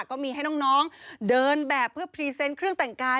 ก็มีให้น้องเดินแบบเพื่อพรีเซนต์เครื่องแต่งกาย